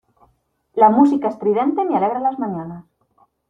La música estridente me alegra las mañanas.